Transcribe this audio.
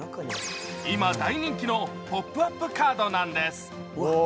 今大人気のポップアップカードなんです。